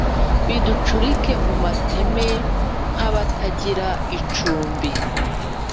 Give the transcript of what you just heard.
Biducurike mu mateme nkabatagira icumbi